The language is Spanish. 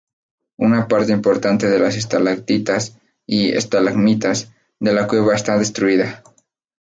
Una parte importante de las estalactitas y estalagmitas de la cueva está destruida.